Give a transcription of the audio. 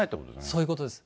そういうことです。